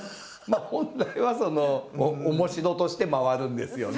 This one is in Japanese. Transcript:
本来はそのおもしろとして回るんですよね。